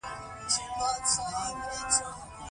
نو زۀ پورې وخاندم ـ